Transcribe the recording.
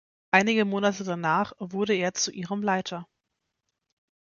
Einige Monate danach wurde er zu ihrem Leiter.